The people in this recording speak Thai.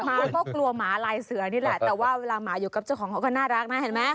หมาก็กลัวหมาลายเสือนี่แหละแต่ว่าเวลาหมาอยู่กับเจ้าของเขาก็น่ารักนะเห็นไหม